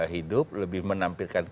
hidup lebih menampilkan